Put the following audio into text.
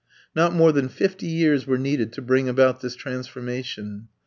Not more than fifty years were needed to bring about this transformation.